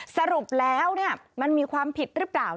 สรุปแล้วมันมีความผิดหรือเปล่า